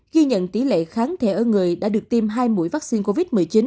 ghi nhận tỷ lệ kháng thể ở người đã được tiêm hai mũi vaccine covid một mươi chín